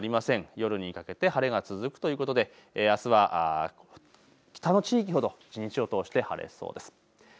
夜にかけて晴れが続くということであすは北の地域ほど一日を通して晴れそうです。